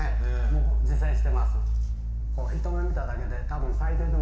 もう自生してます。